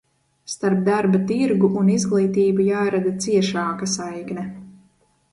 Starp darba tirgu un izglītību jārada ciešāka saikne.